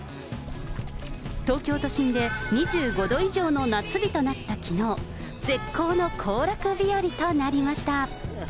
東京都心で２５度以上の夏日となったきのう、絶好の行楽日和となりました。